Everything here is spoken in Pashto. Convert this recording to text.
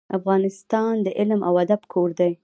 افغانستان د علم او ادب کور دی.